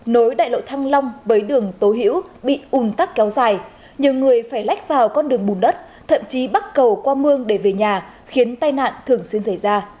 nối đại lộ thăng long với đường tố hữu bị ùn tắc kéo dài nhiều người phải lách vào con đường bùn đất thậm chí bắt cầu qua mương để về nhà khiến tai nạn thường xuyên xảy ra